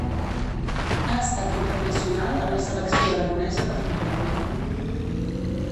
Ha estat internacional amb la selecció aragonesa de futbol.